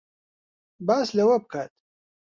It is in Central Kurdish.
باس لەوە بکات